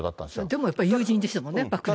でもやっぱり友人でしたもんね。